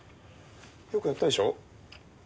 よくやったでしょ？